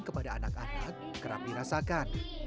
kepada anak anak kerap dirasakan